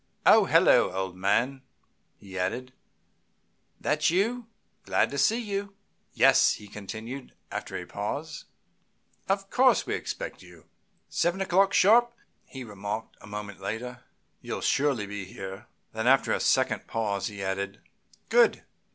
"Oh! Hello, old man!" he added. "That you? Glad to see you." "Yes," he continued, after a pause. "Of course we expect you." "Seven o'clock sharp," he remarked, a moment later. "You'll surely be here?" Then after a second pause, he added: "Good!